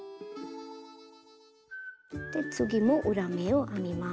で次も裏目を編みます。